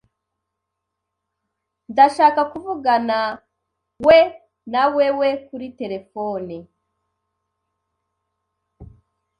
Ndashaka kuvuganawe nawewe kuri telephone.